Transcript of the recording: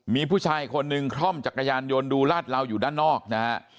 มีผู้ชายคนหนึ่งคล่อมจักรยานยนต์ดูลาดเหลาอยู่ด้านนอกนะฮะ